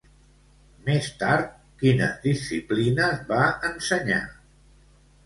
Més tard, quines disciplines va ensenyar?